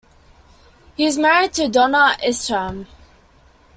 He is married to Donna Isham.